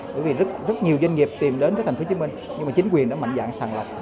bởi vì rất nhiều doanh nghiệp tìm đến với tp hcm nhưng mà chính quyền đã mạnh dạng sàng lọc